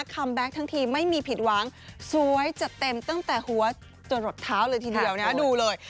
แบ็คทั้งทีไม่มีผิดหวังสวยจัดเต็มตั้งแต่หัวจนหลดเท้าเลยทีเดียวนะดูเลย